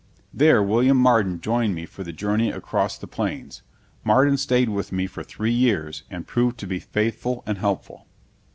There William Marden joined me for the journey across the Plains. Marden stayed with me for three years, and proved to be faithful and helpful.